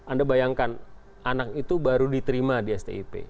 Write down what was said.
anda bayangkan anak itu baru diterima di stip